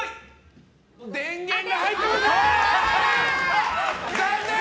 電源が入ってない！